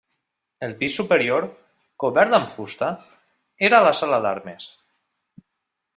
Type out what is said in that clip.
El pis superior, cobert amb fusta, era la sala d'armes.